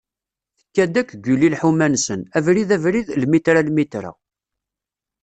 Tekka-d akk Guli lḥuma-nsen, abrid abrid, lmitra lmitra.